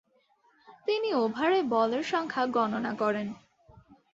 তিনি ওভারে বলের সংখ্যা গণনা করেন।